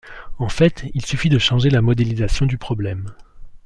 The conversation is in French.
En fait, il suffit de changer la modélisation du problème.